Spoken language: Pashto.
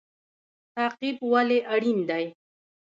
تعقیب ولې اړین دی؟